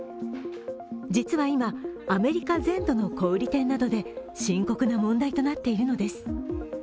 実は今、アメリカ全土の小売店などで深刻な問題となっているのです。